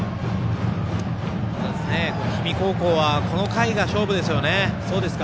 氷見高校はこの回が勝負ですよね。